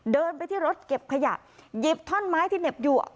เดินไปที่รถเก็บขยะหยิบท่อนไม้ที่เหน็บอยู่